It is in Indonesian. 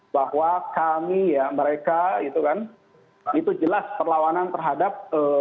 bahwa kami mereka itu jelas perlawanan terhadap